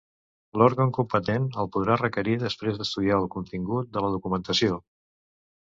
L'òrgan competent el podrà requerir després d'estudiar el contingut de la documentació.